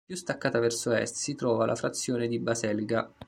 Più staccata verso est si trova la frazione di Baselga.